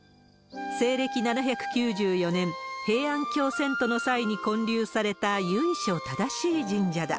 西暦７９４年、平安京遷都の際に建立された由緒正しい神社だ。